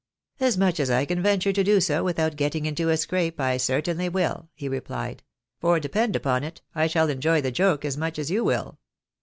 " As much as I can venture to do so without getting into a scrape, I certainly will," he replied ;" for, depend upon it, I shall enjoy the joke as much as you will.